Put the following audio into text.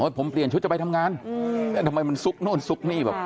ผมเปลี่ยนชุดจะไปทำงานทำไมมันซุกโน่นซุกนี่แบบ